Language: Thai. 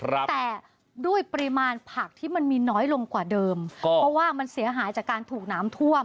แต่ด้วยปริมาณผักที่มันมีน้อยลงกว่าเดิมเพราะว่ามันเสียหายจากการถูกน้ำท่วม